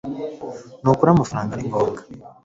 nukuri, amafaranga ni ngombwa